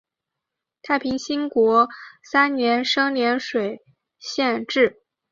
太平兴国三年升涟水县置。